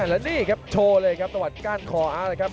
แล้วนี่ครับโชว์เลยครับตะวัดก้านคออาร์ตนะครับ